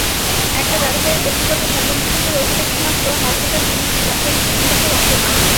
এটা ব্যবসায়ীর ব্যক্তিগত ধর্মবিশ্বাসের অভিব্যক্তি মাত্র, হালখাতার মূল লক্ষ্য হিসাব-নিকাশের অঙ্গ নয়।